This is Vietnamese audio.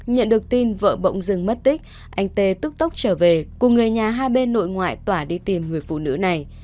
nhận được tin vợ bỗng dừng mất tích anh t tức tốc trở về cùng người nhà hai bên nội ngoại tỏa đi tìm người phụ nữ này